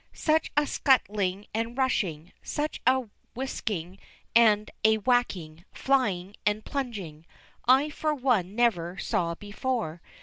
Such a scuttling and rushing, such a whisking and a whacking, flying and plunging, I for one never saw before.